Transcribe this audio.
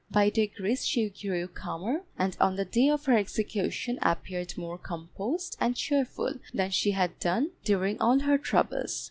By degrees she grew calmer, and on the day of her execution appeared more composed and cheerful than she had done during all her troubles.